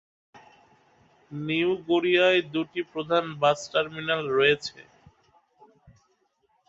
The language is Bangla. নিউ গড়িয়ায় দুটি প্রধান বাস টার্মিনাস রয়েছে।